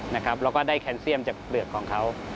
แล้วก็ได้แคนเซียมจากเปลือกของเขา